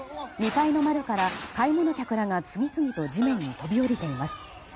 ２階の窓から買い物客らが次々と地面に飛び降りています。